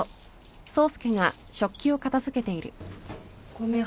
ごめん。